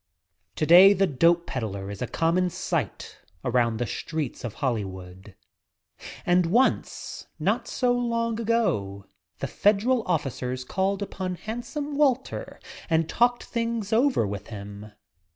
Today the dope peddlar is a common sight around the streets of Hollywood. And once, not so long ago, the Federal officers called upon Handsome Walter and talked things over with him.